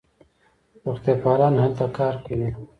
روغتیاپالان هلته کار کوي.